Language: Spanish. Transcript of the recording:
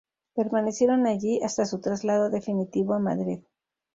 Permanecieron allí hasta su traslado definitivo a Madrid.